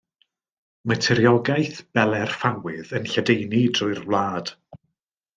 Mae tiriogaeth bele'r ffawydd yn lledaenu drwy'r wlad.